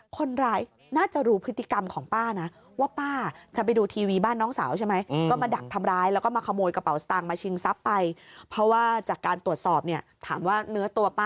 คนร้ายน่าจะรู้พฤติกรรมของป้านะ